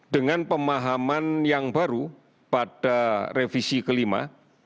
dengan pemahaman yang baru pada revisi kelima